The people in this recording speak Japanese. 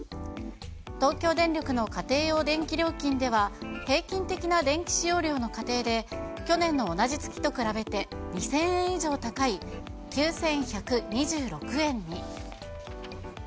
東京電力の家庭用電気料金では、平均的な電気使用量の家庭で、去年の同じ月と比べて２０００円以上高い、９１２６円に。